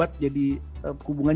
kadang kadang keinginan untuk melanggar